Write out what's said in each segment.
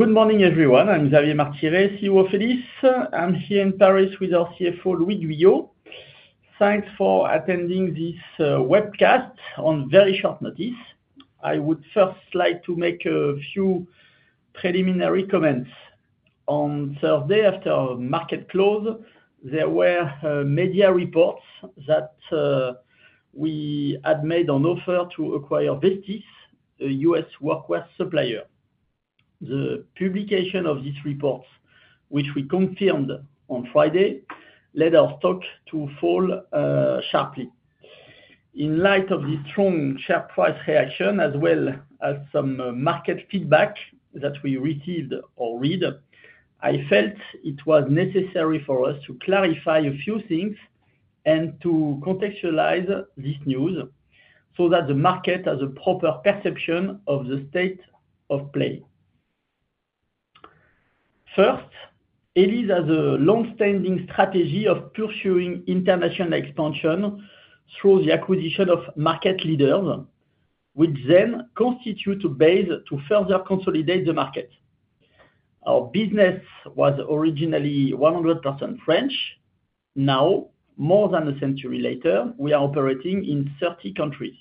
Good morning, everyone. I'm Xavier Martiré, CEO of Elis. I'm here in Paris with our CFO, Louis Guyot. Thanks for attending this webcast on very short notice. I would first like to make a few preliminary comments. On Thursday, after market close, there were media reports that we had made an offer to acquire Vestis, a U.S. workwear supplier. The publication of these reports, which we confirmed on Friday, led our stock to fall sharply. In light of this strong share price reaction, as well as some market feedback that we received or read, I felt it was necessary for us to clarify a few things and to contextualize this news so that the market has a proper perception of the state of play. First, Elis has a long-standing strategy of pursuing international expansion through the acquisition of market leaders, which then constitute a base to further consolidate the market. Our business was originally 100% French. Now, more than a century later, we are operating in 30 countries.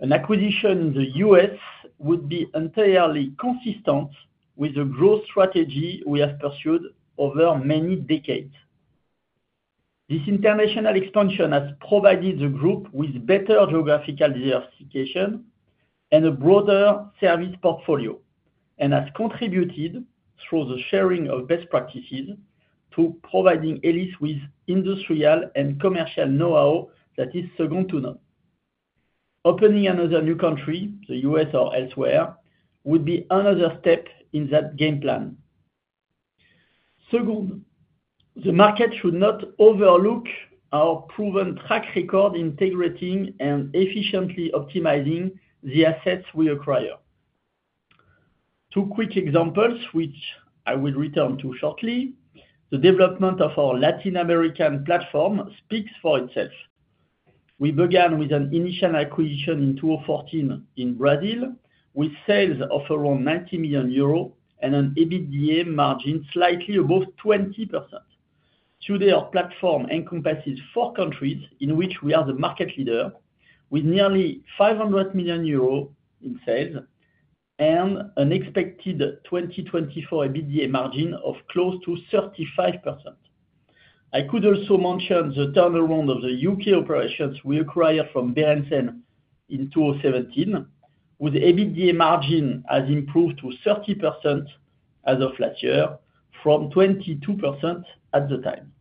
An acquisition in the U.S. would be entirely consistent with the growth strategy we have pursued over many decades. This international expansion has provided the group with better geographical diversification and a broader service portfolio, and has contributed through the sharing of best practices, to providing Elis with industrial and commercial know-how that is second to none. Opening another new country, the U.S. or elsewhere, would be another step in that game plan. Second, the market should not overlook our proven track record integrating and efficiently optimizing the assets we acquire. Two quick examples, which I will return to shortly. The development of our Latin American platform speaks for itself. We began with an initial acquisition in 2014 in Brazil, with sales of around 90 million euros and an EBITDA margin slightly above 20%. Today, our platform encompasses four countries in which we are the market leader, with nearly 500 million euros in sales and an expected 2024 EBITDA margin of close to 35%. I could also mention the turnaround of the U.K. operations we acquired from Berendsen in 2017, with EBITDA margin has improved to 30% as of last year, from 22% at the time.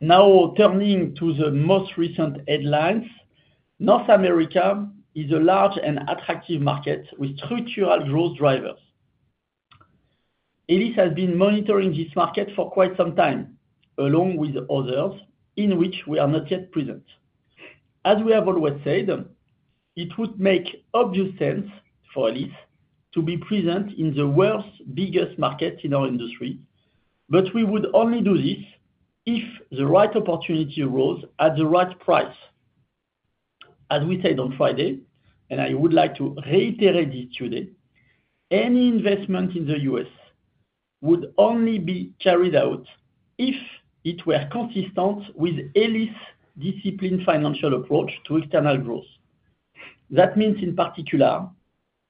Now, turning to the most recent headlines, North America is a large and attractive market with structural growth drivers. Elis has been monitoring this market for quite some time, along with others, in which we are not yet present. As we have always said, it would make obvious sense for Elis to be present in the world's biggest market in our industry, but we would only do this if the right opportunity arose at the right price. As we said on Friday, and I would like to reiterate it today, any investment in the U.S. would only be carried out if it were consistent with Elis' disciplined financial approach to external growth. That means, in particular,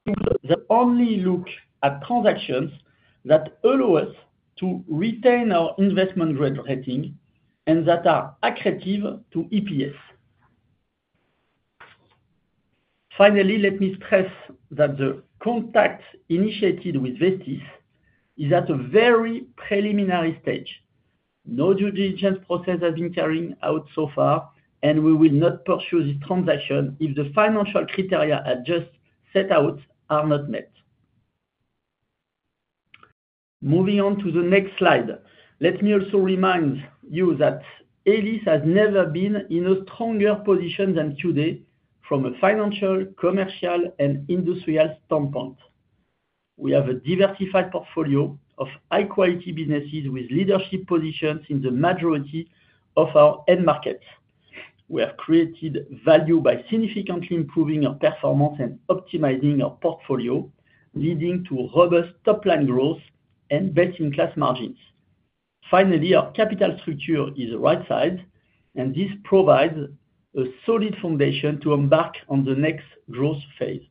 we would only look at transactions that allow us to retain our investment grade rating and that are accretive to EPS. Finally, let me stress that the contact initiated with Vestis is at a very preliminary stage. No due diligence process has been carried out so far, and we will not pursue this transaction if the financial criteria I just set out are not met. Moving on to the next slide. Let me also remind you that Elis has never been in a stronger position than today, from a financial, commercial, and industrial standpoint. We have a diversified portfolio of high-quality businesses with leadership positions in the majority of our end markets. We have created value by significantly improving our performance and optimizing our portfolio, leading to robust top-line growth and best-in-class margins. Finally, our capital structure is right-sized, and this provides a solid foundation to embark on the next growth phase.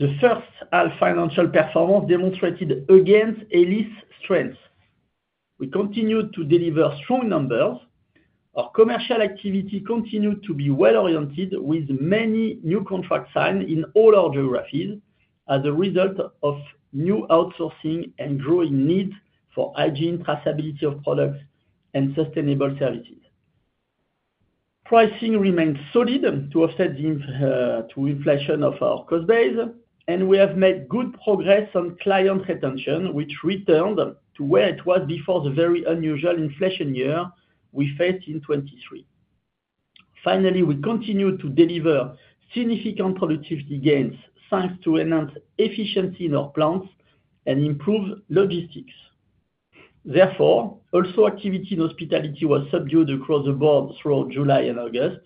The first half financial performance demonstrated Elis' strength. We continued to deliver strong numbers. Our commercial activity continued to be well-oriented, with many new contracts signed in all our geographies as a result of new outsourcing and growing need for hygiene, traceability of products, and sustainable services. Pricing remains solid to offset the inflation of our cost base, and we have made good progress on client retention, which returned to where it was before the very unusual inflation year we faced in 2023. Finally, we continue to deliver significant productivity gains, thanks to enhanced efficiency in our plants and improved logistics. Therefore, also activity in hospitality was subdued across the board throughout July and August.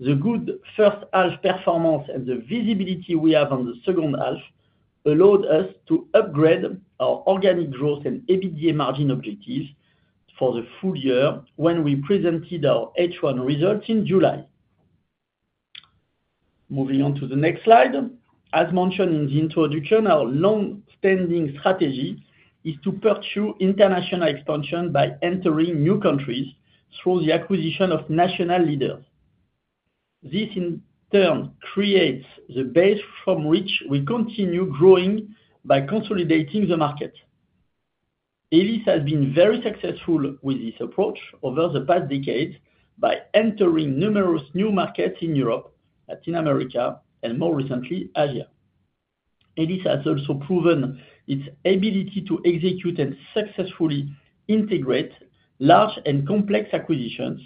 The good first half performance and the visibility we have on the second half allowed us to upgrade our organic growth and EBITDA margin objectives for the full year when we presented our H1 results in July. Moving on to the next slide. As mentioned in the introduction, our long-standing strategy is to pursue international expansion by entering new countries through the acquisition of national leaders. This, in turn, creates the base from which we continue growing by consolidating the market. Elis has been very successful with this approach over the past decade by entering numerous new markets in Europe, Latin America, and more recently, Asia. Elis has also proven its ability to execute and successfully integrate large and complex acquisitions,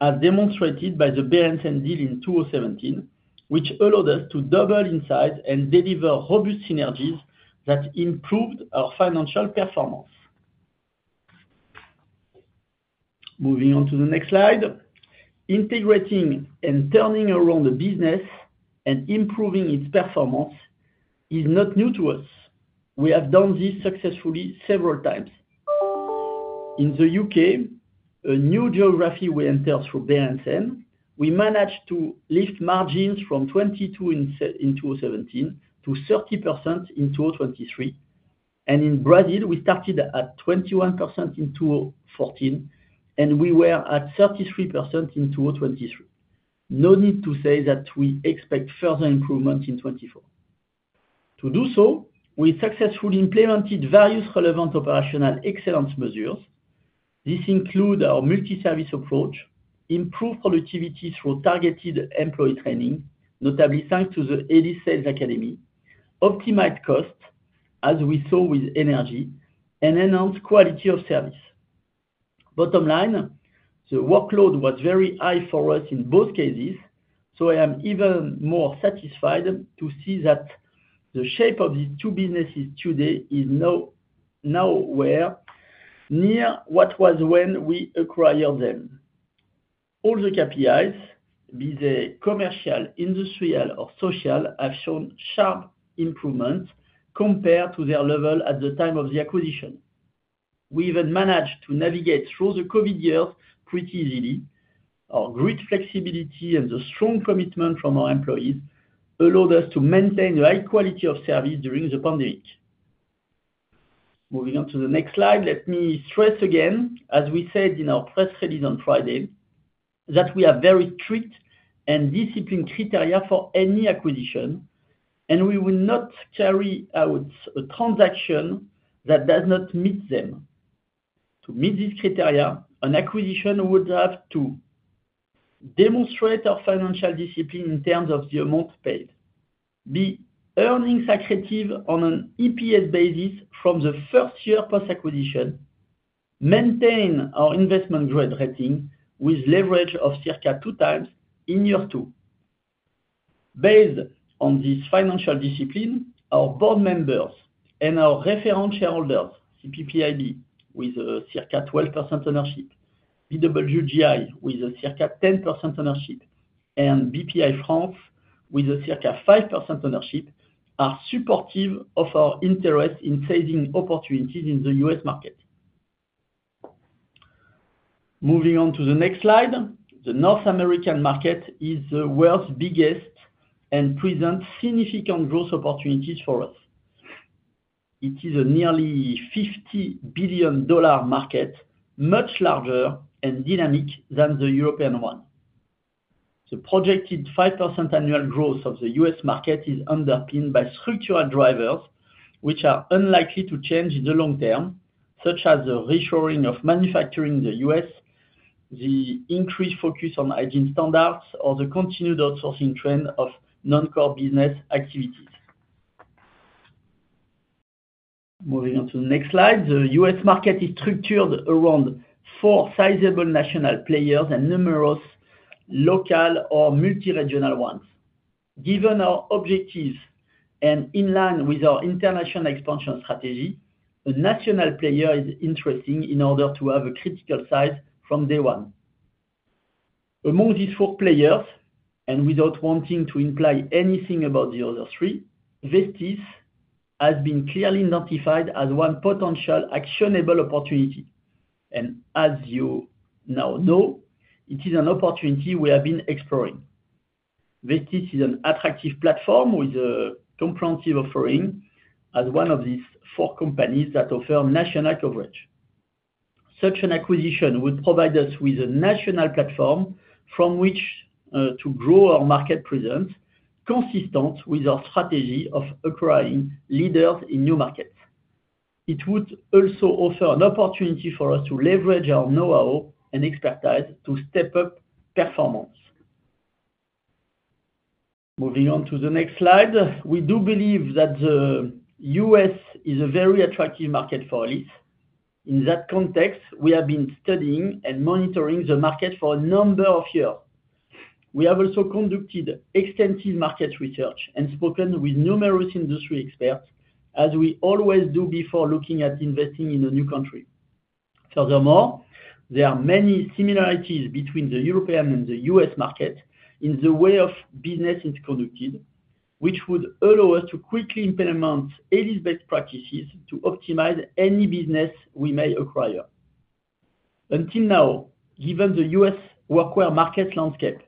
as demonstrated by the Berendsen deal in 2017, which allowed us to double in size and deliver robust synergies that improved our financial performance. Moving on to the next slide. Integrating and turning around the business and improving its performance is not new to us. We have done this successfully several times. In the U.K., a new geography we entered through Berendsen, we managed to lift margins from 22% in 2017 to 30% in 2023, and in Brazil, we started at 21% in 2014, and we were at 33% in 2023. No need to say that we expect further improvement in 2024. To do so, we successfully implemented various relevant operational excellence measures. This includes our multi-service approach, improve productivity through targeted employee training, notably thanks to the Elis Sales Academy, optimize costs, as we saw with energy, and enhance quality of service. Bottom line, the workload was very high for us in both cases, so I am even more satisfied to see that the shape of these two businesses today is nowhere near what was when we acquired them. All the KPIs, be they commercial, industrial, or social, have shown sharp improvement compared to their level at the time of the acquisition. We even managed to navigate through the COVID years pretty easily. Our great flexibility and the strong commitment from our employees allowed us to maintain the high quality of service during the pandemic. Moving on to the next slide. Let me stress again, as we said in our press release on Friday, that we have very strict and disciplined criteria for any acquisition, and we will not carry out a transaction that does not meet them. To meet these criteria, an acquisition would have to demonstrate our financial discipline in terms of the amount paid, be earnings accretive on an EPS basis from the first year post-acquisition, maintain our investment grade rating with leverage of circa two times in year two. Based on this financial discipline, our board members and our reference shareholders, CPPIB, with circa 12% ownership, BWGI with a circa 10% ownership, and Bpifrance with a circa 5% ownership, are supportive of our interest in sizing opportunities in the U.S. market. Moving on to the next slide. The North American market is the world's biggest and presents significant growth opportunities for us. It is a nearly $50 billion market, much larger and dynamic than the European one. The projected 5% annual growth of the U.S. market is underpinned by structural drivers, which are unlikely to change in the long term, such as the reshoring of manufacturing in the U.S., the increased focus on hygiene standards, or the continued outsourcing trend of non-core business activities. Moving on to the next slide. The U.S. market is structured around four sizable national players and numerous local or multi-regional ones. Given our objectives and in line with our international expansion strategy, a national player is interesting in order to have a critical size from day one. Among these four players, and without wanting to imply anything about the other three, Vestis has been clearly identified as one potential actionable opportunity, and as you now know, it is an opportunity we have been exploring. Vestis is an attractive platform with a comprehensive offering as one of these four companies that offer national coverage. Such an acquisition would provide us with a national platform from which to grow our market presence, consistent with our strategy of acquiring leaders in new markets. It would also offer an opportunity for us to leverage our know-how and expertise to step up performance. Moving on to the next slide. We do believe that the U.S. is a very attractive market for Elis. In that context, we have been studying and monitoring the market for a number of years. We have also conducted extensive market research and spoken with numerous industry experts, as we always do before looking at investing in a new country. Furthermore, there are many similarities between the European and the U.S. market in the way business is conducted, which would allow us to quickly implement our best practices to optimize any business we may acquire. Until now, given the U.S. workwear market landscape,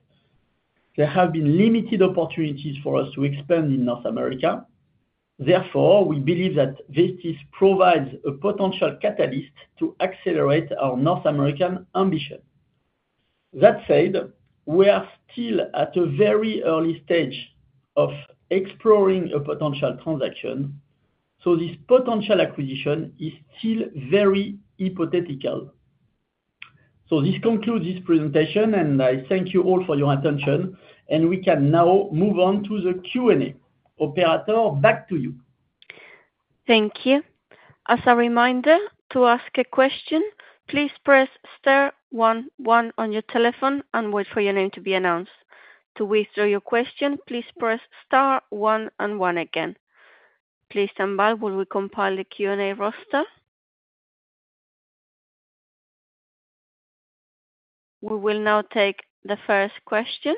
there have been limited opportunities for us to expand in North America. Therefore, we believe that Vestis provides a potential catalyst to accelerate our North American ambition. That said, we are still at a very early stage of exploring a potential transaction, so this potential acquisition is still very hypothetical. So this concludes this presentation, and I thank you all for your attention, and we can now move on to the Q&A. Operator, back to you. Thank you. As a reminder, to ask a question, please press star one one on your telephone and wait for your name to be announced. To withdraw your question, please press star one and one again. Please stand by while we compile the Q&A roster. We will now take the first question.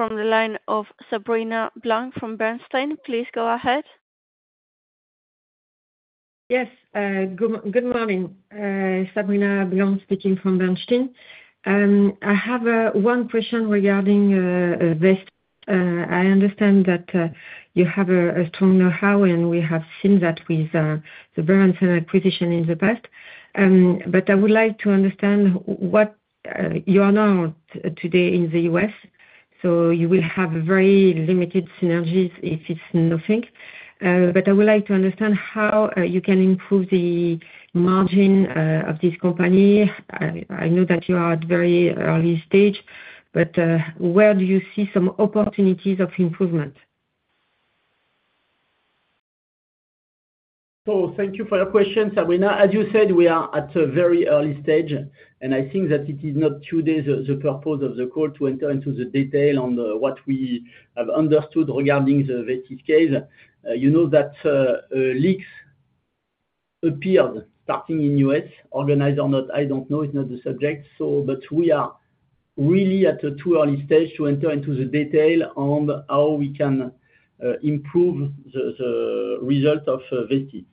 From the line of Sabrina Blanc from Bernstein. Please go ahead. Yes, good morning, Sabrina Blanc speaking from Bernstein. I have one question regarding Vestis. I understand that you have a strong know-how, and we have seen that with the Berendsen acquisition in the past. But I would like to understand what you are now today in the U.S., so you will have very limited synergies if it's nothing. But I would like to understand how you can improve the margin of this company. I know that you are at very early stage, but where do you see some opportunities of improvement? Thank you for your question, Sabrina. As you said, we are at a very early stage, and I think that it is not today the purpose of the call to enter into the detail on what we have understood regarding the Vestis case. You know that leaks appeared starting in U.S., organized or not, I don't know, it's not the subject. But we are really at a too early stage to enter into the detail on how we can improve the result of Vestis.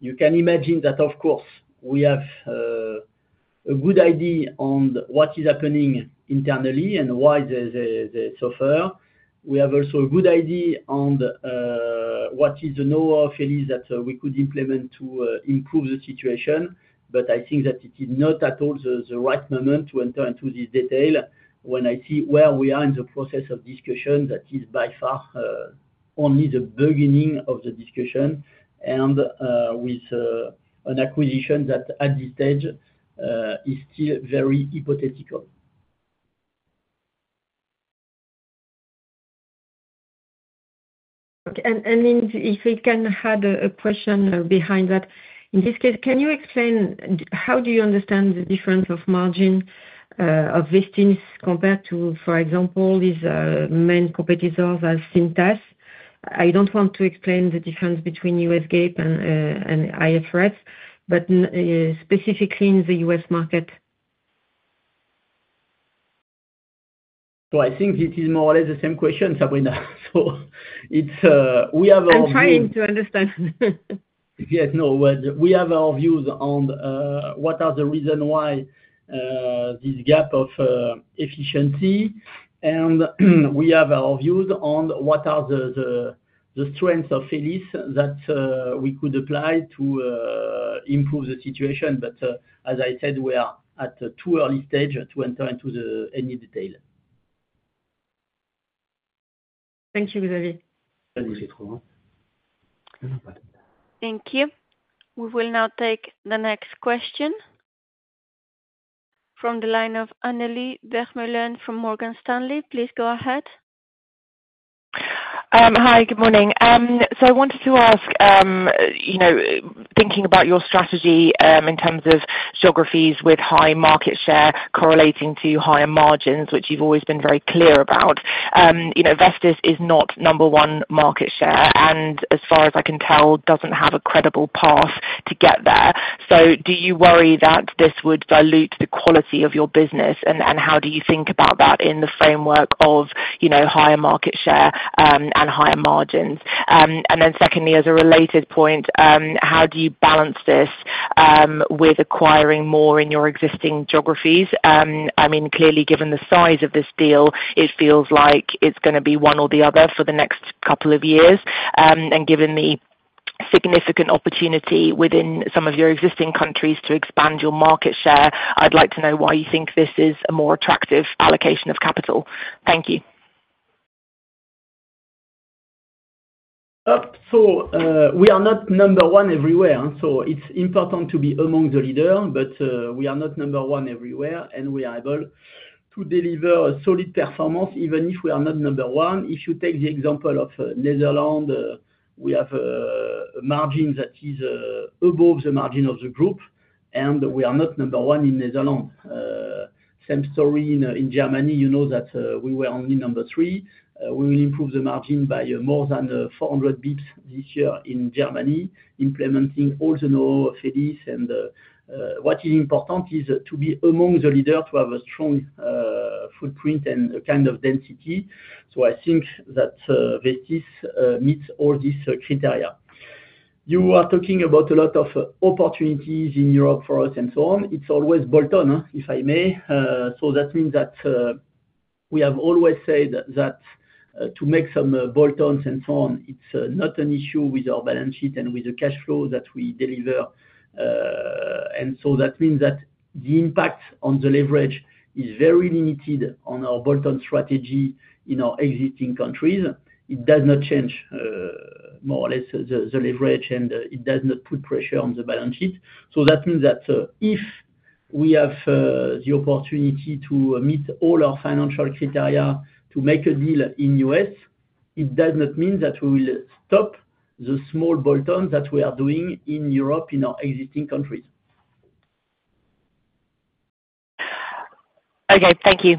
You can imagine that, of course, we have a good idea on what is happening internally and why the softness. We have also a good idea on what is the know-how of Elis that we could implement to improve the situation. But I think that it is not at all the right moment to enter into this detail when I see where we are in the process of discussion, that is by far only the beginning of the discussion and with an acquisition that at this stage is still very hypothetical. If we can have a question behind that. In this case, can you explain how do you understand the difference of margin of Vestis compared to, for example, these main competitors as Cintas? I don't want to explain the difference between U.S. GAAP and IFRS, but specifically in the U.S. market. So I think it is more or less the same question, Sabrina. So it's, we have our view. I'm trying to understand. Yes, no, well, we have our views on what are the reason why this gap of efficiency, and we have our views on what are the strengths of Vestis that we could apply to improve the situation. But, as I said, we are at a too early stage to enter into any detail. Thank you, Xavier. Thank you. Thank you. We will now take the next question. From the line of Annelies Vermeulen from Morgan Stanley. Please go ahead. Hi, good morning. So I wanted to ask, you know, thinking about your strategy, in terms of geographies with high market share correlating to higher margins, which you've always been very clear about. You know, Vestis is not number one market share, and as far as I can tell, doesn't have a credible path to get there. So do you worry that this would dilute the quality of your business? And how do you think about that in the framework of, you know, higher market share, and higher margins? And then secondly, as a related point, how do you balance this, with acquiring more in your existing geographies? I mean, clearly, given the size of this deal, it feels like it's gonna be one or the other for the next couple of years. And given the significant opportunity within some of your existing countries to expand your market share, I'd like to know why you think this is a more attractive allocation of capital? Thank you. So, we are not number one everywhere, so it's important to be among the leader, but we are not number one everywhere, and we are able to deliver a solid performance, even if we are not number one. If you take the example of Netherlands, we have a margin that is above the margin of the group, and we are not number one in Netherlands. Same story in Germany, you know, that we were only number three. We will improve the margin by more than 400 basis points this year in Germany, implementing all the new. And what is important is to be among the leader, to have a strong footprint and a kind of density. So I think that Vestis meets all these criteria. You are talking about a lot of opportunities in Europe for us and so on. It's always bolt-on, if I may. So that means that we have always said that to make some bolt-ons and so on, it's not an issue with our balance sheet and with the cash flow that we deliver. And so that means that the impact on the leverage is very limited on our bolt-on strategy in our existing countries. It does not change more or less the leverage, and it does not put pressure on the balance sheet. So that means that if we have the opportunity to meet all our financial criteria to make a deal in U.S., it does not mean that we will stop the small bolt-on that we are doing in Europe, in our existing countries. Okay, thank you.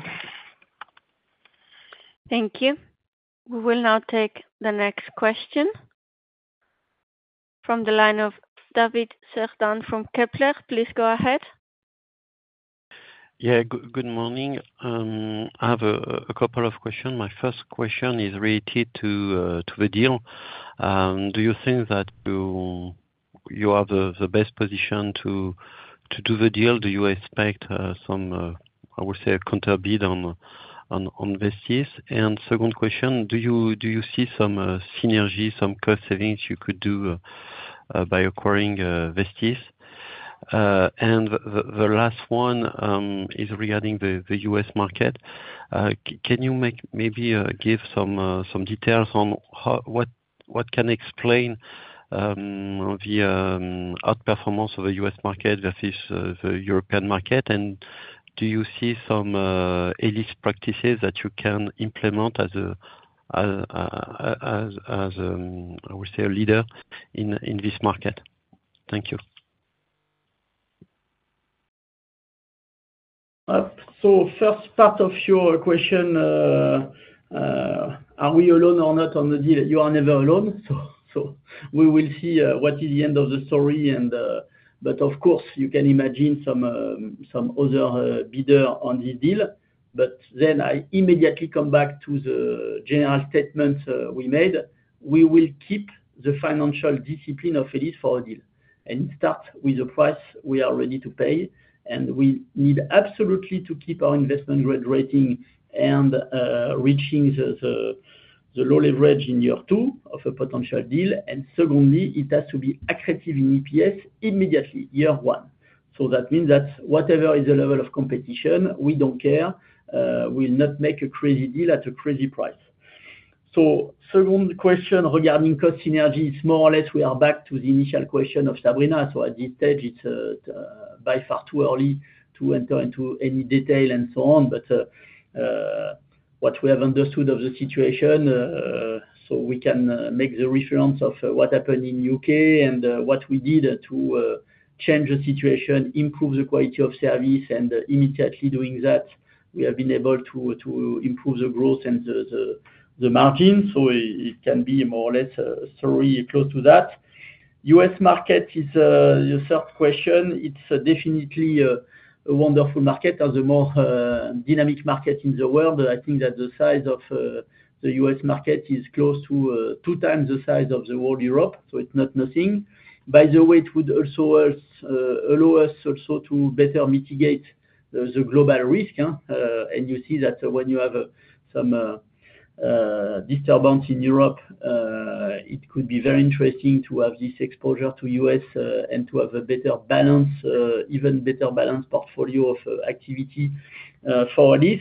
Thank you. We will now take the next question from the line of David Cerdan from Kepler. Please go ahead. Yeah, good morning. I have a couple of questions. My first question is related to the deal. Do you think that you have the best position to do the deal? Do you expect some I would say a counter bid on Vestis? And second question, do you see some synergy, some cost savings you could do by acquiring Vestis? And the last one is regarding the U.S. market. Can you make maybe give some some details on how what what can explain the outperformance of the U.S. market versus the European market? And do you see some best practices that you can implement as, I would say, a leader in this market? Thank you. First part of your question, are we alone or not on the deal? You are never alone, so we will see what is the end of the story and. But of course, you can imagine some other bidder on the deal. But then I immediately come back to the general statement we made. We will keep the financial discipline of Elis for a deal, and start with the price we are ready to pay. We need absolutely to keep our investment grade rating and reaching the low leverage in year two of a potential deal. Secondly, it has to be attractive in EPS immediately, year one. That means that whatever is the level of competition, we don't care. We'll not make a crazy deal at a crazy price. So second question regarding cost synergy, it's more or less we are back to the initial question of Sabrina. So at this stage, it's by far too early to enter into any detail and so on. But what we have understood of the situation, so we can make the reference of what happened in U.K. and what we did to change the situation, improve the quality of service, and immediately doing that, we have been able to improve the growth and the margin. So it can be more or less story close to that. U.S. market is your third question. It's definitely a wonderful market and the more dynamic market in the world. I think that the size of the U.S. market is close to two times the size of the whole Europe, so it's not nothing. By the way, it would also allow us also to better mitigate the global risk, and you see that when you have some disturbance in Europe, it could be very interesting to have this exposure to U.S., and to have a better balance, even better balance portfolio of activity for this.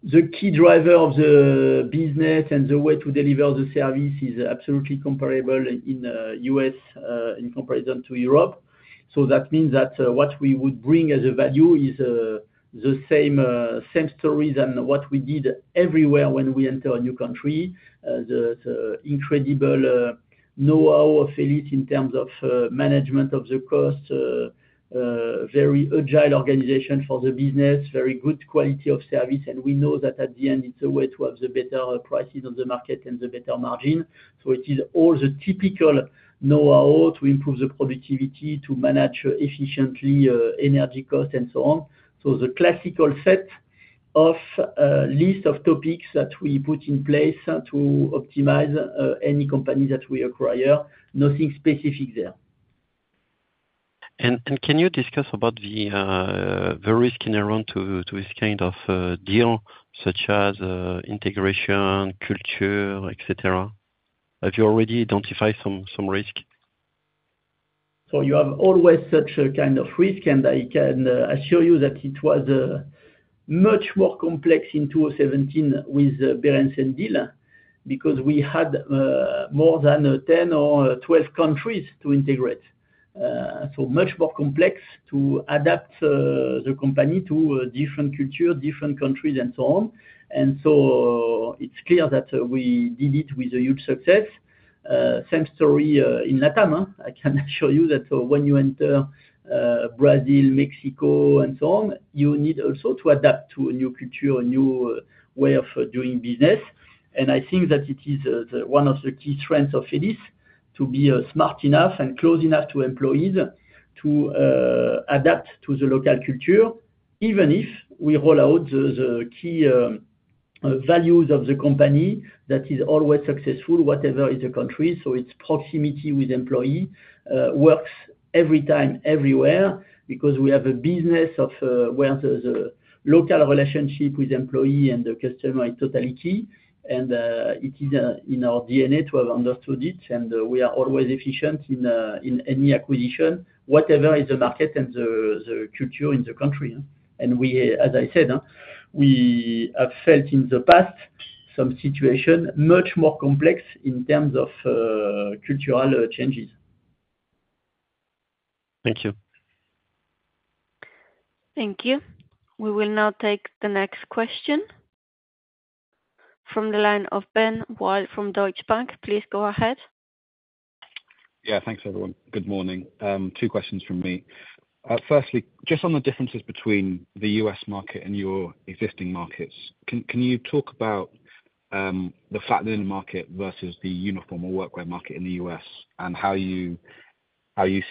The key driver of the business and the way to deliver the service is absolutely comparable in U.S. in comparison to Europe. So that means that what we would bring as a value is the same story than what we did everywhere when we enter a new country. The incredible know-how of Elis in terms of management of the cost, very agile organization for the business, very good quality of service. We know that at the end, it's a way to have the better prices on the market and the better margin. It is all the typical know-how to improve the productivity, to manage efficiently energy cost, and so on. The classical set of list of topics that we put in place to optimize any company that we acquire. Nothing specific there. Can you discuss about the risks in and around this kind of deal, such as integration, culture, et cetera? Have you already identified some risk? So you have always such a kind of risk, and I can assure you that it was much more complex in 2017 with Berendsen deal because we had more than 10 or 12 countries to integrate. So much more complex to adapt the company to different culture, different countries, and so on. And so, it's clear that we did it with a huge success. Same story in LATAM. I can assure you that when you enter Brazil, Mexico, and so on, you need also to adapt to a new culture, a new way of doing business. I think that it is the one of the key strengths of Elis to be smart enough and close enough to employees to adapt to the local culture, even if we roll out the key values of the company, that is always successful, whatever is the country. It's proximity with employee works every time, everywhere, because we have a business where the local relationship with employee and the customer is totality. It is in our DNA to have understood it, and we are always efficient in any acquisition, whatever is the market and the culture in the country. We, as I said, we have dealt in the past some situation much more complex in terms of cultural changes. Thank you. Thank you. We will now take the next question from the line of Ben Wild from Deutsche Bank. Please go ahead. Yeah, thanks, everyone. Good morning. Two questions from me. Firstly, just on the differences between the U.S. market and your existing markets, can you talk about the flat linen market versus the uniform or workwear market in the U.S., and how you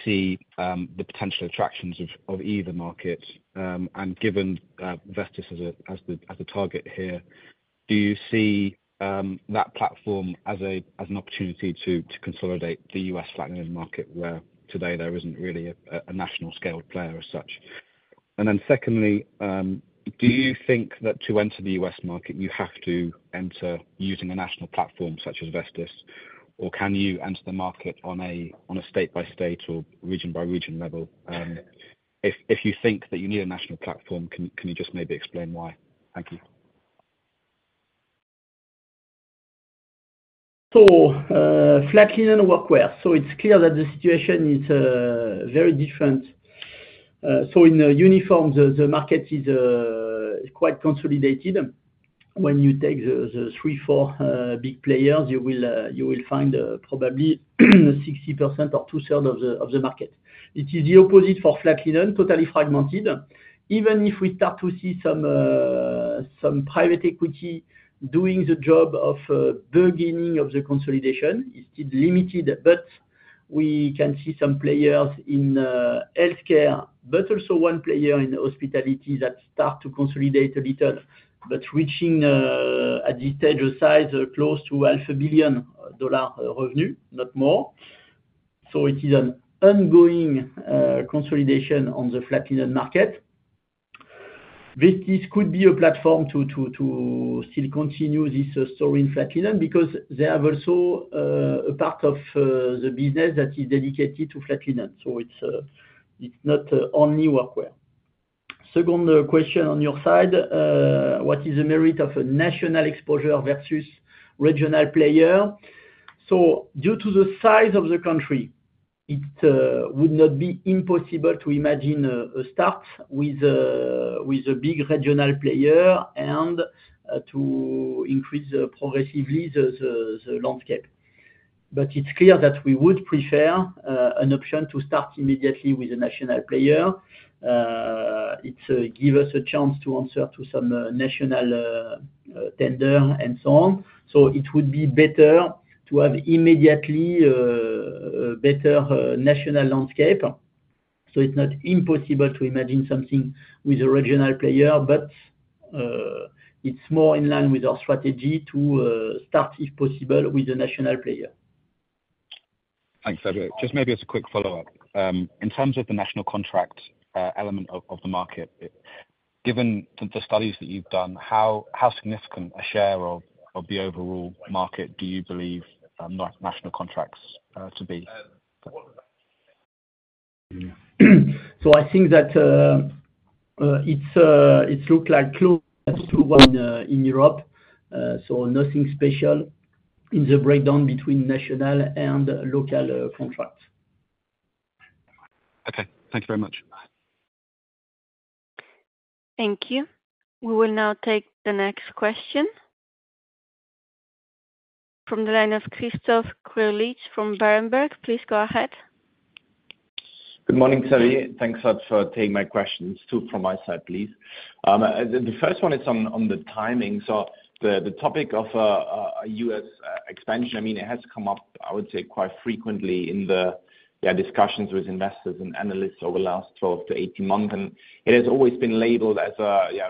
see the potential attractions of either market? And given Vestis as the target here, do you see that platform as an opportunity to consolidate the U.S. flat linen market, where today there isn't really a national-scaled player as such? And then secondly, do you think that to enter the U.S. market, you have to enter using a national platform such as Vestis, or can you enter the market on a state-by-state or region-by-region level? If you think that you need a national platform, can you just maybe explain why? Thank you. So, flat linen and workwear. So it's clear that the situation is, very different. So in the uniform, the market is, quite consolidated. When you take the three, four big players, you will find, probably 60% or 2/3 of the market. It is the opposite for flat linen, totally fragmented. Even if we start to see some private equity doing the job of beginning of the consolidation, it's still limited, but we can see some players in healthcare, but also one player in hospitality that start to consolidate a little, but reaching at this stage, a size close to $500 million revenue, not more. So it is an ongoing consolidation on the flat linen market. This could be a platform to still continue this story in flat linen, because they have also a part of the business that is dedicated to flat linen. So it's not only workwear. Second question on your side, what is the merit of a national exposure versus regional player? So due to the size of the country, it would not be impossible to imagine a start with a big regional player, and to increase progressively the landscape. But it's clear that we would prefer an option to start immediately with a national player. It give us a chance to answer to some national tender and so on. So it would be better to have immediately a better national landscape. So it's not impossible to imagine something with a regional player, but it's more in line with our strategy to start, if possible, with a national player. Thanks, Xavier. Just maybe as a quick follow-up. In terms of the national contract element of the market, given the studies that you've done, how significant a share of the overall market do you believe national contracts to be? So I think that it looks like close to one in Europe. So nothing special in the breakdown between national and local contracts. Okay. Thank you very much. Bye. Thank you. We will now take the next question from the line of Christoph Greulich from Berenberg. Please go ahead. Good morning, Xavier. Thanks for taking my questions. Two from my side, please. The first one is on the timing. So the topic of a U.S. expansion, I mean, it has come up, I would say, quite frequently in the discussions with investors and analysts over the last 12-18 months, and it has always been labeled as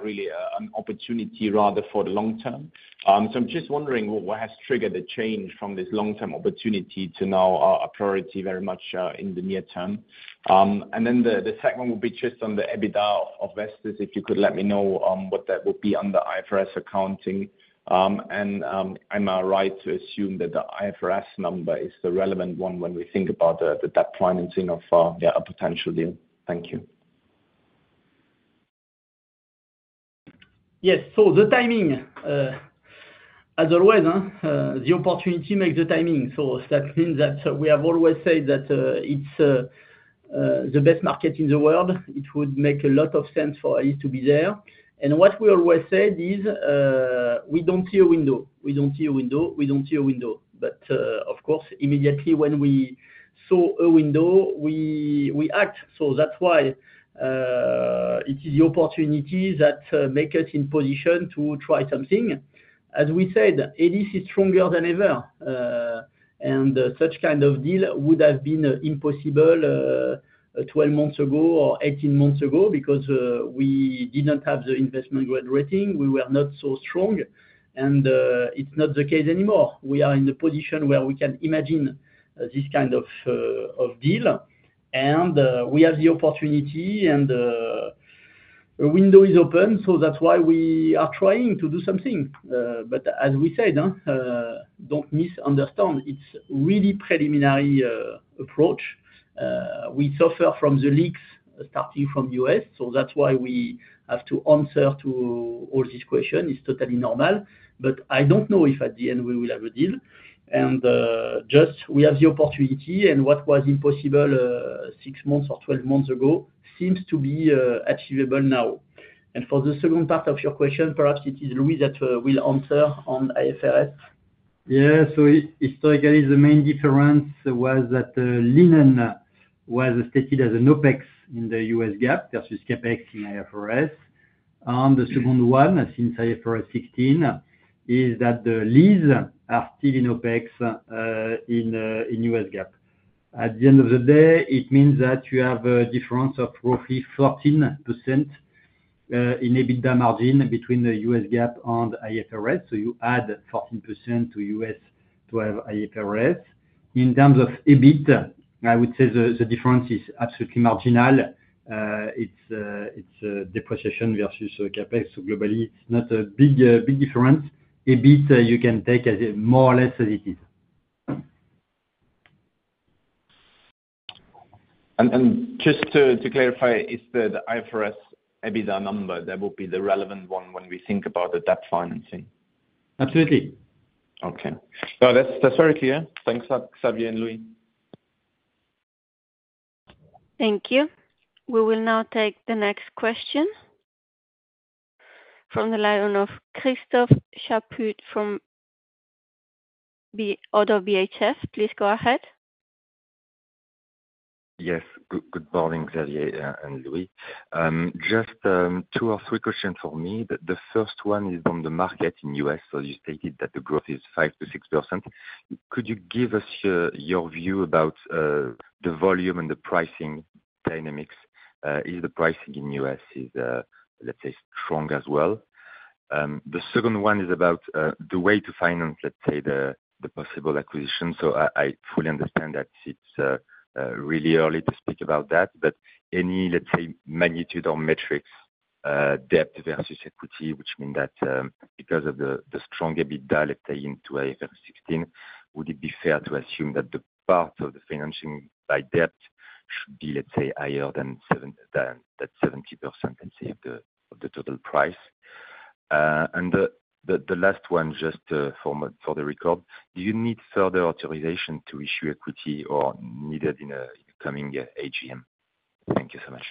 really an opportunity rather for the long term. So I'm just wondering what has triggered the change from this long-term opportunity to now a priority very much in the near term? And then the second one will be just on the EBITDA of Vestis, if you could let me know what that would be under IFRS accounting? Am I right to assume that the IFRS number is the relevant one when we think about the debt financing of a potential deal? Thank you. Yes, so the timing, as always, the opportunity makes the timing. So that means that we have always said that, it's the best market in the world. It would make a lot of sense for us to be there. And what we always said is, we don't see a window. We don't see a window, we don't see a window. But, of course, immediately when we saw a window, we act. So that's why, it is the opportunity that make us in position to try something. As we said, Elis is stronger than ever, and, such kind of deal would have been impossible, 12 months ago or 18 months ago because, we didn't have the investment grade rating, we were not so strong, and, it's not the case anymore. We are in the position where we can imagine this kind of deal, and we have the opportunity and a window is open, so that's why we are trying to do something, but as we said, don't misunderstand, it's really preliminary approach. We suffer from the leaks starting from U.S., so that's why we have to answer to all these question, it's totally normal. I don't know if at the end we will have a deal, and just we have the opportunity, and what was impossible six months or 12 months ago seems to be achievable now. For the second part of your question, perhaps it is Louis that will answer on IFRS. Yeah. So historically, the main difference was that, linen was stated as an OpEx in the U.S. GAAP versus CapEx in IFRS. The second one, since IFRS 16, is that the lease are still in OpEx, in U.S. GAAP. At the end of the day, it means that you have a difference of roughly 14% in EBITDA margin between the U.S. GAAP and IFRS, so you add 14% to U.S. to have IFRS. In terms of EBIT, I would say the difference is absolutely marginal. It's depreciation versus CapEx, so globally it's not a big difference. EBIT, you can take as more or less as it is. Just to clarify, is the IFRS EBITDA number that would be the relevant one when we think about the debt financing? Absolutely. Okay. No, that's, that's very clear. Thanks, Xavier and Louis. Thank you. We will now take the next question from the line of Christophe Chaput, from Oddo BHF. Please go ahead. Yes, good morning, Xavier and Louis. Just two or three questions for me. The first one is on the market in the U.S. So you stated that the growth is 5%-6%. Could you give us your view about the volume and the pricing dynamics? Is the pricing in the U.S. strong as well? The second one is about the way to finance, let's say, the possible acquisition. So I fully understand that it's really early to speak about that, but any, let's say, magnitude or metrics, debt versus equity, which mean that, because of the strong EBITDA, let's say, into IFRS 16, would it be fair to assume that the part of the financing by debt should be, let's say, higher than that 70% can save the total price? And the last one, just for the record, do you need further authorization to issue equity or needed in a coming AGM? Thank you so much.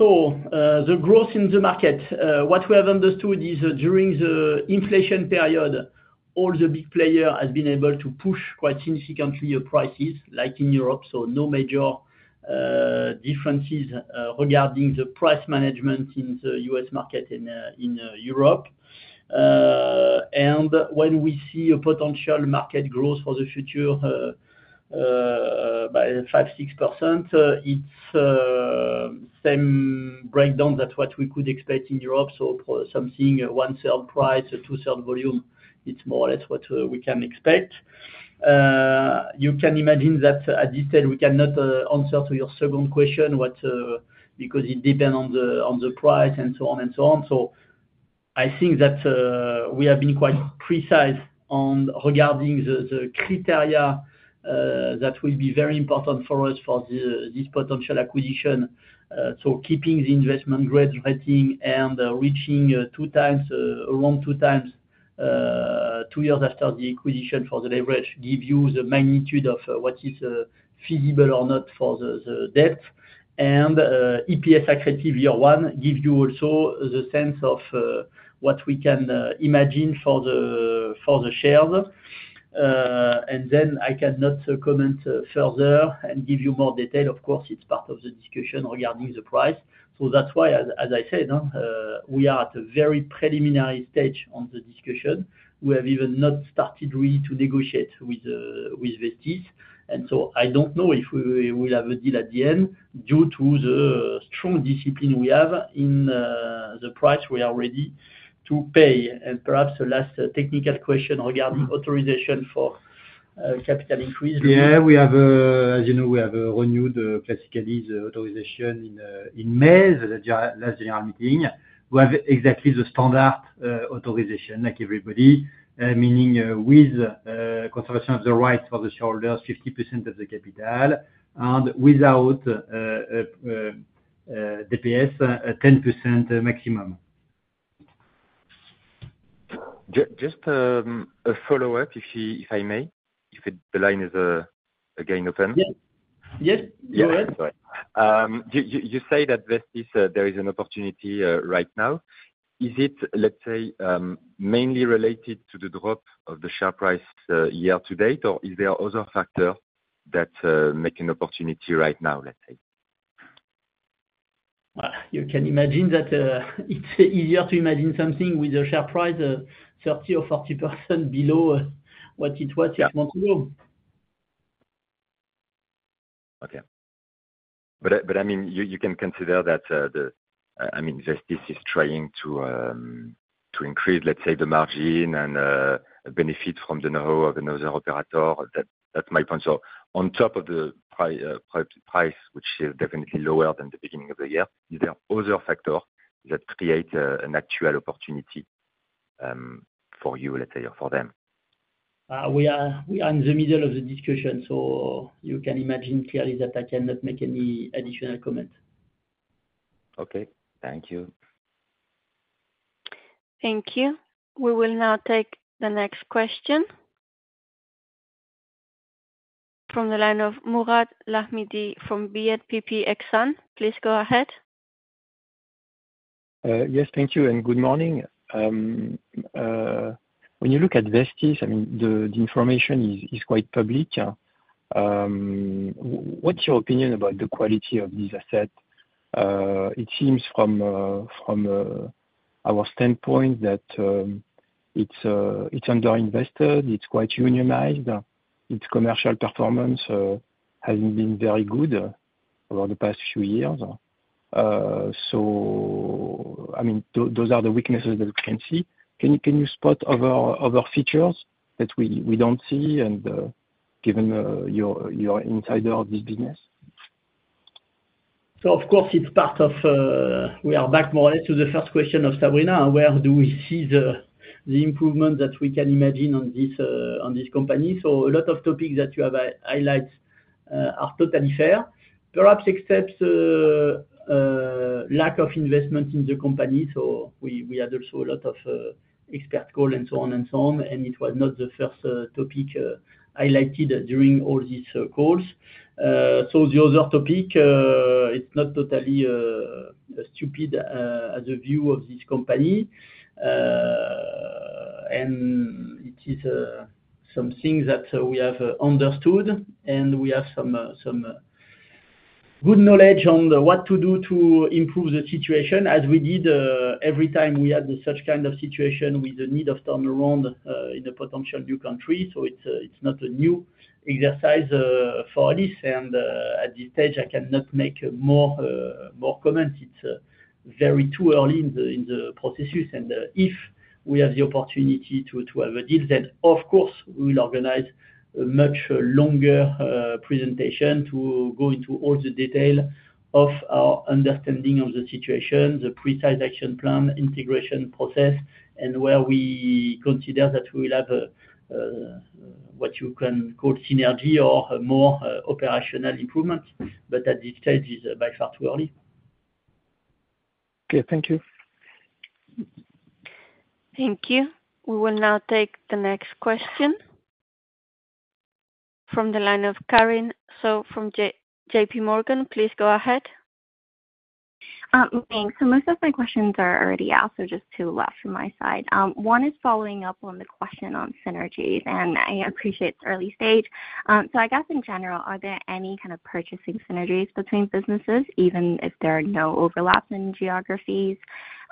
So, the growth in the market, what we have understood is that during the inflation period, all the big player has been able to push quite significantly on prices like in Europe, so no major differences regarding the price management in the U.S. market and in Europe. And when we see a potential market growth for the future, by 5%-6%, it's same breakdown. That's what we could expect in Europe. So for something, a one sales price or two sales volume, it's more or less what we can expect. You can imagine that at this stage, we cannot answer to your second question, what, because it depend on the price and so on and so on. So I think that we have been quite precise regarding the criteria that will be very important for us for this potential acquisition. So keeping the investment grade rating and reaching around two times two years after the acquisition for the leverage give you the magnitude of what is feasible or not for the debt. And EPS accretion year one give you also the sense of what we can imagine for the shares. And then I cannot comment further and give you more detail. Of course, it's part of the discussion regarding the price. So that's why, as I said, we are at a very preliminary stage on the discussion. We have even not started really to negotiate with Vestis. I don't know if we will have a deal at the end due to the strong discipline we have in the price we are ready to pay. Perhaps a last technical question regarding authorization for capital increase. Yeah, we have as you know, we have renewed the authorization in May, the last General Meeting. We have exactly the standard authorization like everybody, meaning with conservation of the rights for the shareholders, 50% of the capital, and without DPS, 10% maximum. Just a follow-up, if I may, if the line is again open? Yes. Yes, go ahead. Yeah, sorry. You say that there is an opportunity right now. Is it, let's say, mainly related to the drop of the share price year to date, or is there other factor that make an opportunity right now, let's say? You can imagine that it's easier to imagine something with a share price 30% or 40% below what it was a month ago. Okay. But I mean, you can consider that the, I mean, Vestis is trying to increase, let's say, the margin and benefit from the know-how of another operator. That's my point. So on top of the price, which is definitely lower than the beginning of the year, is there other factor that create an actual opportunity for you, let's say, or for them? We are in the middle of the discussion, so you can imagine clearly that I cannot make any additional comment. Okay, thank you. Thank you. We will now take the next question from the line of Mourad Lahmidi from BNPP Exane. Please go ahead. Yes, thank you and good morning. When you look at Vestis, I mean, the information is quite public. What's your opinion about the quality of these assets? It seems from our standpoint that it's underinvested, it's quite unionized, its commercial performance hasn't been very good over the past few years. So I mean, those are the weaknesses that we can see. Can you spot other features that we don't see, and given you're insider of this business? So of course, it's part of, we are back more to the first question of Sabrina, where do we see the improvement that we can imagine on this company? So a lot of topics that you have highlighted are totally fair. Perhaps except lack of investment in the company. So we had also a lot of expert call and so on and so on, and it was not the first topic highlighted during all these calls. So, the other topic, it's not totally stupid as a view of this company, and it is something that we have understood, and we have some good knowledge on what to do to improve the situation, as we did every time we had such kind of situation with the need of turn around in the potential new country, so it's not a new exercise for this, and at this stage, I cannot make more comments. It's very too early in the process. If we have the opportunity to have a deal, then of course, we will organize a much longer presentation to go into all the detail of our understanding of the situation, the precise action plan, integration process, and where we consider that we will have a what you can call synergy or more operational improvement. But at this stage, is by far too early. Okay, thank you. Thank you. We will now take the next question from the line of Karin So from JPMorgan. Please go ahead. Thanks. So most of my questions are already asked, so just two left from my side. One is following up on the question on synergies, and I appreciate it's early stage. So I guess in general, are there any kind of purchasing synergies between businesses, even if there are no overlap in geographies?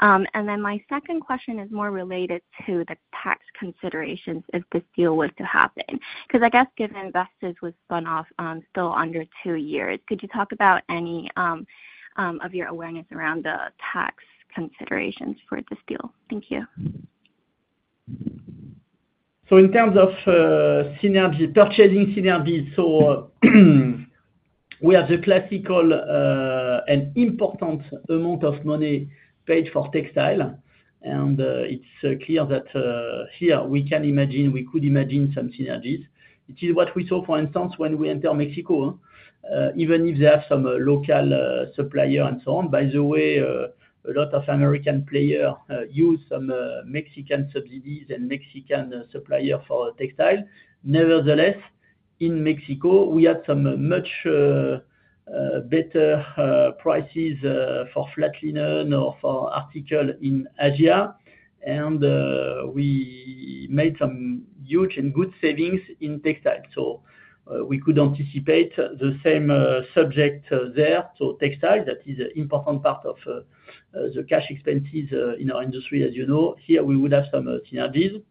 And then my second question is more related to the tax considerations if this deal was to happen, because I guess given Vestis was spun off, still under two years, could you talk about any of your awareness around the tax considerations for this deal? Thank you. In terms of synergy, purchasing synergies, we have the classical and important amount of money paid for textile. It's clear that here we can imagine, we could imagine some synergies. It is what we saw, for instance, when we entered Mexico, even if they have some local supplier and so on. By the way, a lot of American players use some Mexican subsidiaries and Mexican suppliers for textile. Nevertheless, in Mexico, we had much better prices for flat linen or for articles in Asia. We made some huge and good savings in textile, so we could anticipate the same subject there. Textile, that is an important part of the cash expenses in our industry, as you know. Here, we would have some synergies.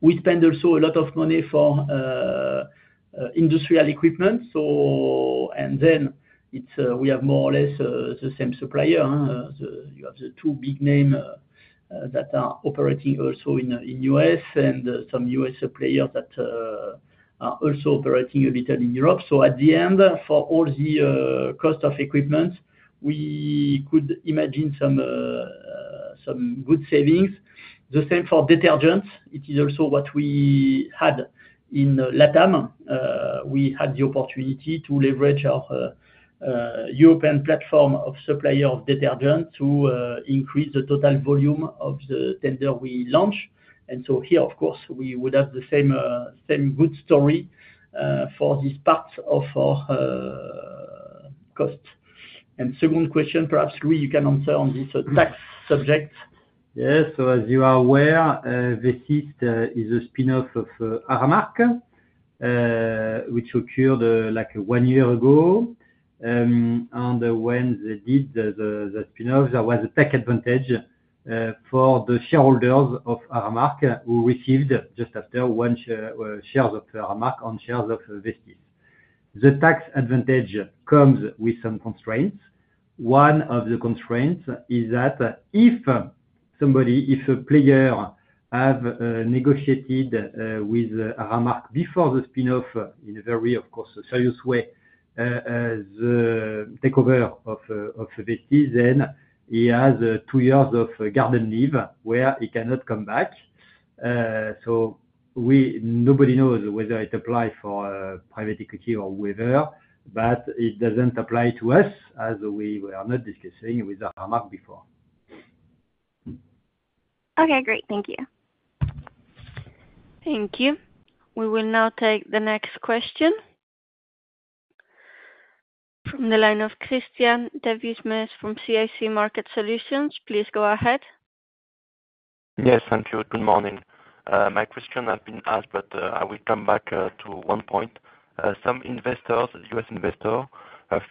We spend also a lot of money for industrial equipment, and then it's we have more or less the same supplier. You have the two big name that are operating also in U.S. and some U.S. suppliers that are also operating a bit in Europe. So at the end, for all the cost of equipment, we could imagine some good savings. The same for detergents. It is also what we had in LATAM. We had the opportunity to leverage our European platform of supplier of detergent to increase the total volume of the tender we launch. And so here, of course, we would have the same good story for this part of our cost. And second question, perhaps, Louis, you can answer on this tax subject. Yes. As you are aware, Vestis is a spin-off of Aramark, which occurred like one year ago. And when they did the spin-off, there was a tax advantage for the shareholders of Aramark, who received just after one share shares of Aramark on shares of Vestis. The tax advantage comes with some constraints. One of the constraints is that if somebody, if a player have negotiated with Aramark before the spin-off, in a very, of course, a serious way, as takeover of Vestis, then he has two years of garden leave where he cannot come back. Nobody knows whether it apply for private equity or whether, but it doesn't apply to us, as we were not discussing with Aramark before. Okay, great. Thank you. Thank you. We will now take the next question from the line of Christian Devismes from CIC Market Solutions. Please go ahead. Yes, thank you. Good morning. My question has been asked, but, I will come back to one point. Some investors, U.S. investor,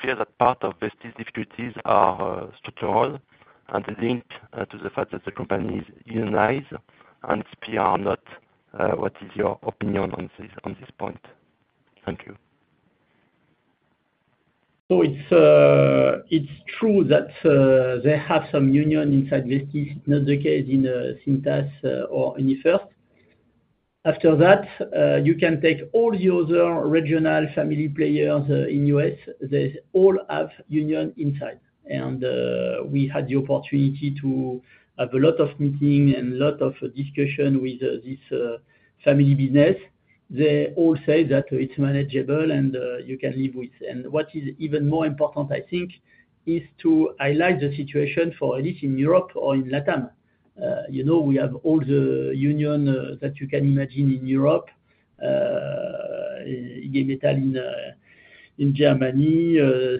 fear that part of Vestis' difficulties are structural and linked to the fact that the company is unionized and not, what is your opinion on this, on this point? Thank you. So it's true that they have some union inside Vestis, not the case in Cintas or UniFirst. After that, you can take all the other regional family players in U.S., they all have unions inside. And we had the opportunity to have a lot of meeting and lot of discussion with this family business. They all say that it's manageable and you can live with. And what is even more important, I think, is to highlight the situation for at least in Europe or in LATAM. You know, we have all the union that you can imagine in Europe, IG Metall in Germany,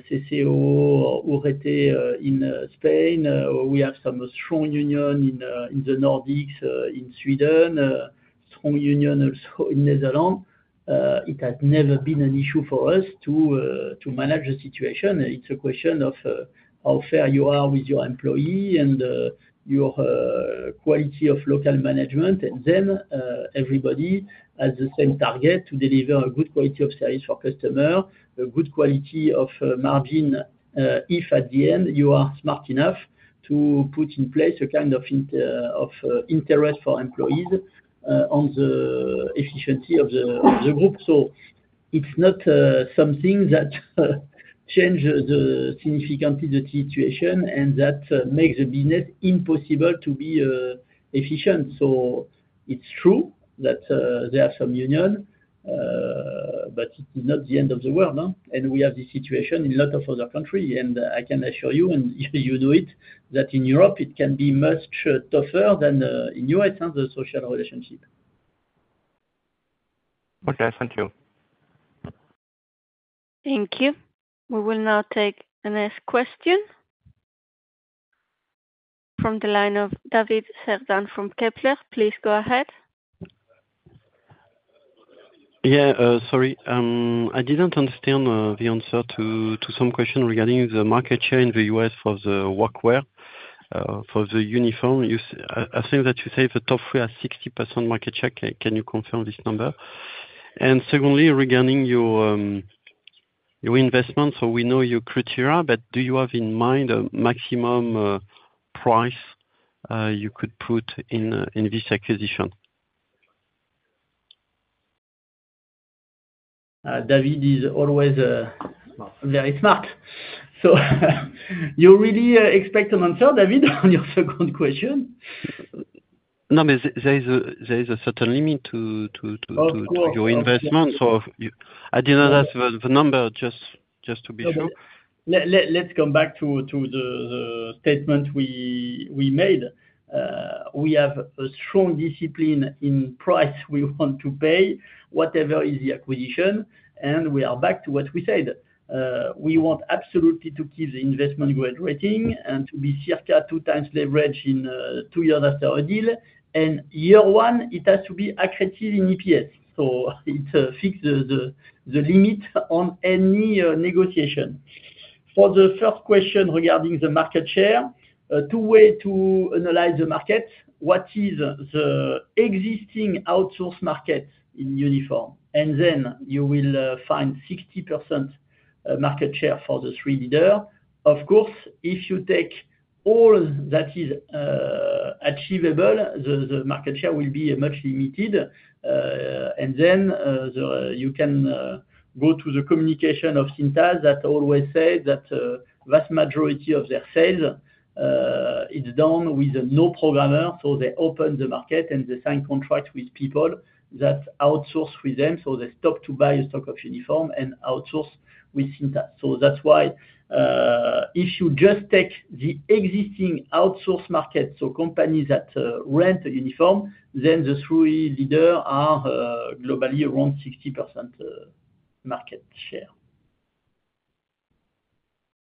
CCOO or UGT in Spain. We have some strong union in the Nordics, in Sweden, strong union also in Netherlands. It has never been an issue for us to manage the situation. It's a question of how fair you are with your employee and your quality of local management. And then everybody has the same target, to deliver a good quality of service for customer, a good quality of margin, if at the end you are smart enough to put in place a kind of interest for employees on the efficiency of the group. So it's not something that change the significantly the situation and that makes the business impossible to be efficient. So it's true that there are some union, but it's not the end of the world, no? We have this situation in a lot of other countries, and I can assure you that in Europe it can be much tougher than in the U.S., the social relationship. Okay, thank you. Thank you. We will now take the next question from the line of David Cerdan from Kepler. Please go ahead. Yeah, sorry, I didn't understand the answer to some question regarding the market share in the U.S. for the workwear for the uniform. I think that you say the top three are 60% market share. Can you confirm this number? And secondly, regarding your investment, so we know your criteria, but do you have in mind a maximum price you could put in this acquisition? David is always very smart. So you really expect an answer, David, on your second question? No, but there is a certain limit to. Of course. Your investment. So you, I didn't ask for the number, just, just to be sure. Let's come back to the statement we made. We have a strong discipline in price we want to pay, whatever is the acquisition, and we are back to what we said. We want absolutely to keep the investment grade rating and to be circa two times leverage in two years after our deal. And year one, it has to be accretive in EPS, so it fix the limit on any negotiation. For the first question regarding the market share, two way to analyze the market. What is the existing outsource market in uniform? And then you will find 60% market share for the three leader. Of course, if you take all that is achievable, the market share will be much limited. And then you can go to the communication of Cintas that always say that vast majority of their sales is done with no program. So they open the market, and they sign contract with people that outsource with them. So they stop to buy a stock of uniform and outsource with Cintas. So that's why, if you just take the existing outsource market, so companies that rent a uniform, then the three leaders are globally around 60% market share.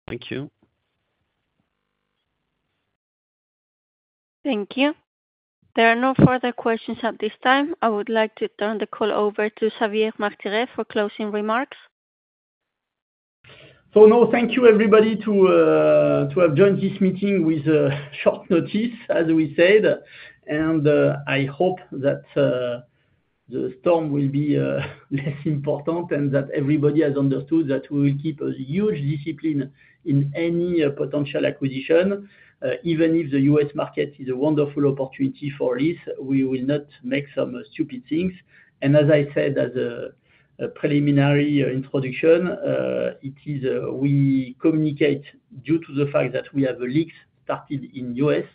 Thank you. Thank you. There are no further questions at this time. I would like to turn the call over to Xavier Martiré for closing remarks. So now, thank you, everybody, to have joined this meeting with a short notice, as we said. I hope that the storm will be less important and that everybody has understood that we will keep a huge discipline in any potential acquisition. Even if the U.S. market is a wonderful opportunity for this, we will not make some stupid things. And as I said, as a preliminary introduction, it is we communicate due to the fact that we have a deal started in U.S.,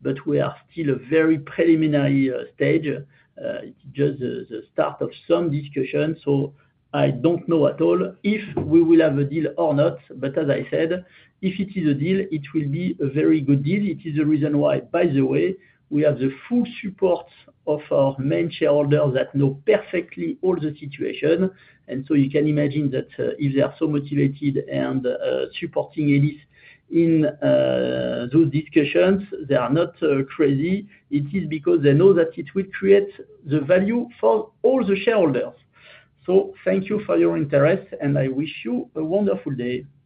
but we are still a very preliminary stage. It's just the start of some discussion, so I don't know at all if we will have a deal or not. But as I said, if it is a deal, it will be a very good deal. It is the reason why, by the way, we have the full support of our main shareholder that know perfectly all the situation. And so you can imagine that, if they are so motivated and supporting Elis in those discussions, they are not crazy. It is because they know that it will create the value for all the shareholders. So thank you for your interest, and I wish you a wonderful day.